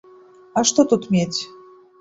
А што тут мець?